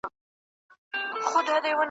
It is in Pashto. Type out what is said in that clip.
زه د پي ټي ایم غړی نه یم `